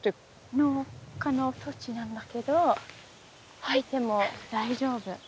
農家の土地なんだけど入っても大丈夫。